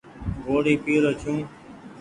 ڳوڙي پيرو ڇون ۔